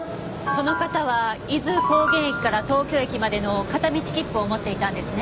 その方は伊豆高原駅から東京駅までの片道切符を持っていたんですね？